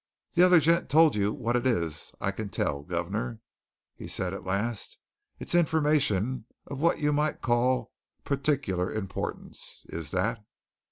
"The other gent told you what it is I can tell, guv'nor?" he said at last. "It's information of what you might call partik'lar importance, is that."